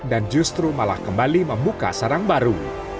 dan justru malah kembali membuka sarang baru